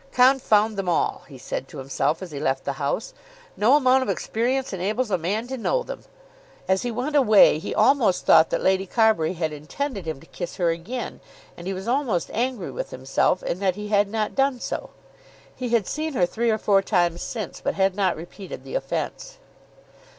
"Confound them all," he said to himself as he left the house; "no amount of experience enables a man to know them." As he went away he almost thought that Lady Carbury had intended him to kiss her again, and he was almost angry with himself in that he had not done so. He had seen her three or four times since, but had not repeated the offence.